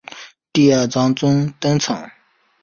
第二章中登场。